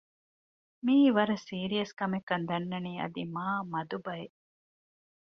މިއީ ވަރަށް ސީރިއަސް ކަމެއް ކަން ދަންނަނީ އަދި މާ މަދު ބަޔެއް